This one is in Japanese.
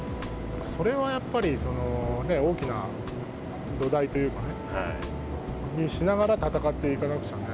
それはやっぱり大きな土台というか、しながら戦っていかなくちゃね。